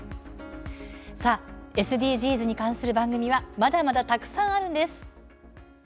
さあ、ＳＤＧｓに関する番組はまだまだたくさんあるんです。